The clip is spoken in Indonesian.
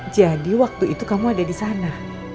jadi waktu itu kamu ada disana